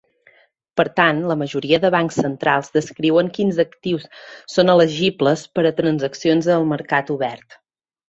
Per tant, la majoria de bancs centrals descriuen quins actius són elegibles per a transaccions al mercat obert.